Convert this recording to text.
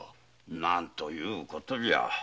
なんということじゃ！